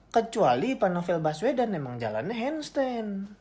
kecuali pan novel baswedan emang jalannya handstand